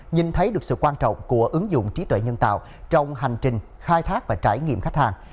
nhìn thấy được sự quan trọng của ứng dụng trí tuệ nhân tạo trong hành trình khai thác và trải nghiệm khách hàng